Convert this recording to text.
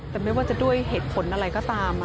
แต่ไม่ว่าจะด้วยเหตุผลอะไรก็ตาม